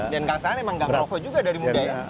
dan kan seandainya emang nggak merokok juga dari muda ya